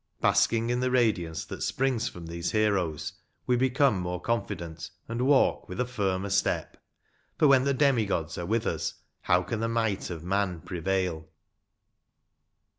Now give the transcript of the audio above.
Basking in the radiance that springs from these heroes, we become more confident, and walk with a firmer step ; for when the demi gods are with us, how can the might of man prevail